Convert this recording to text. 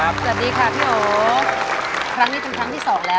ครั้งนี้เป็นครั้งที่สองแล้ว